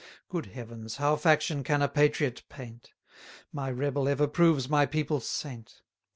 Good heavens, how faction can a patriot paint! My rebel ever proves my people's saint.